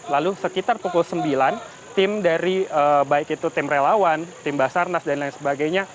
lalu sekitar pukul sembilan tim dari baik itu tim relawan tim basarnas dan lain sebagainya